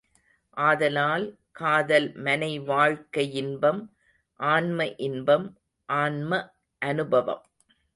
ஆதலால், காதல் மனைவாழ்க்கையின்பம் ஆன்ம இன்பம் ஆன்ம அனுபவம்.